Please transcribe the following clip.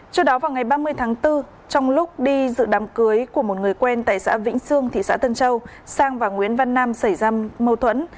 trước đó vào ngày ba mươi tháng bốn trong lúc đi dự đám cưới của một người quen tại xã vĩnh sương thị xã tân châu sang và nguyễn văn nam xảy ra mâu thuẫn